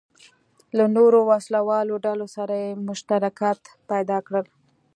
له نورو وسله والو ډلو سره یې مشترکات پیدا کړل.